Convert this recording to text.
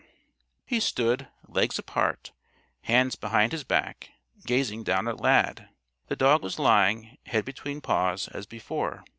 He stood, legs apart, hands behind his back, gazing down at Lad. The dog was lying, head between paws, as before.